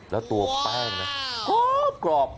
แล้วตัวแป้งเนี่ยโอ้โหกรอบ